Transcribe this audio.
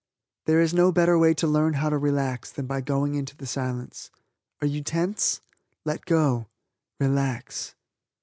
There is no better way to learn how to relax than by going into the Silence. Are you tense? Let go. Relax.